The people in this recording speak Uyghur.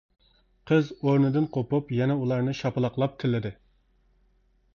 قىز ئورنىدىن قوپۇپ يەنە ئۇلارنى شاپىلاقلاپ، تىللىدى.